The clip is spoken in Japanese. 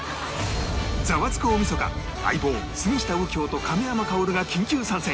『ザワつく！大晦日』『相棒』杉下右京と亀山薫が緊急参戦！